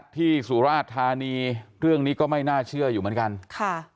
ที่สูราภารีเรื่องนี้ก็ไม่น่าเชื่ออยู่เหมือนกัน